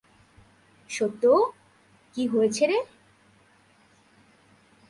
সত্য, কী হয়েছে রে?